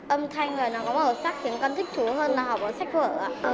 âm thanh là nó có một sắc khiến con thích thú hơn là học bằng sách vở